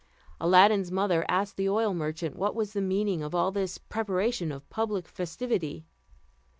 Aladdin's mother asked the oil merchant what was the meaning of all this preparation of public festivity.